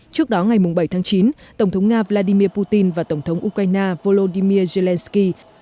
trước đó ngày bảy chín tổng thống nga vladimir putin và tổng thống ukraine volodymyr zelenskyy